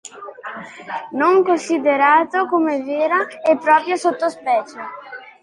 Non considerato come vera e propria sottospecie.